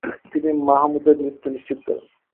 তিনি মাহমুদের মৃত্যু নিশ্চিত করেন ।